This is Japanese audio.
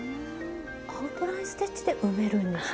アウトライン・ステッチで埋めるんですね。